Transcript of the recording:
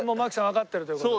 わかってるという事で。